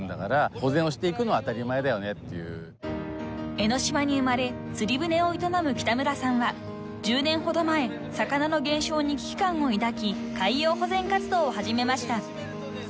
［江ノ島に生まれ釣り船を営む北村さんは１０年ほど前魚の減少に危機感を抱き海洋保全活動を始めました］